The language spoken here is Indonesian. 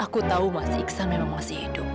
kasian aku mas